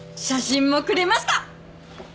写真もくれました！